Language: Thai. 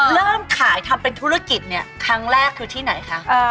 แล้วเริ่มขายเป็นธุรกิจครั้งแรกที่ไหนคะ